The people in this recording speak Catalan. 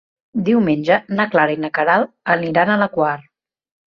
Diumenge na Clara i na Queralt aniran a la Quar.